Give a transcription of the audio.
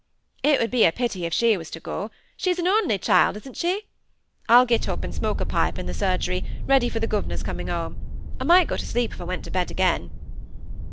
"It would be a pity if she was to go. She's an only child, isn't she? I'll get up, and smoke a pipe in the surgery, ready for the governor's coming home. I might go to sleep if I went to bed again."